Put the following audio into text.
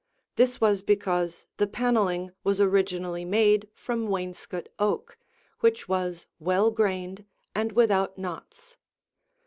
This was because the paneling was originally made from wainscot oak which was well grained and without knots.